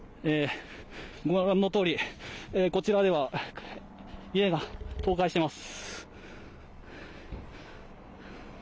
ご覧のとおり、こちらでは家が倒壊してます。